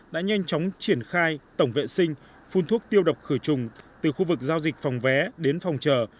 đã nhanh chóng triển khai tổng vệ sinh phun thuốc tiêu độc khử trùng từ khu vực giao dịch phòng vé đến phòng chờ